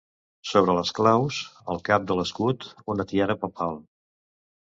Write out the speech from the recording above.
Sobre les claus, al cap de l'escut, una tiara papal.